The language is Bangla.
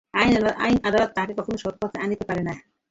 আইন-আদালত কখনও তাহাকে সৎ পথে আনিতে পারে না।